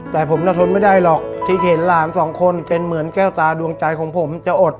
แต่ผมจะทนไม่ได้หรอกที่เห็นหลานสองคนเป็นเหมือนแก้วตาดวงใจของผมจะอด